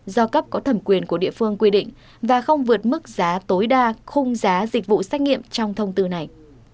do cấp có thẩm quyền của địa phương quy định và không vượt mức giá tối đa khung giá dịch vụ xét nghiệm trong thông tư này